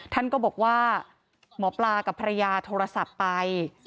ท่านก็บอกว่าหมอปลากับภรรยาโทรศัพท์ไป